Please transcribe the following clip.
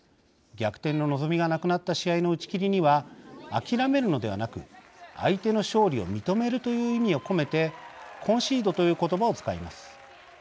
逆転の望みがなくなった試合の打ち切りには、諦めるのではなく相手の勝利を認めるという意味を込めてコンシードということばを使います。